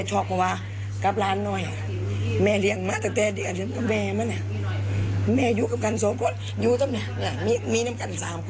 หกโมงเก็บไปทำงาน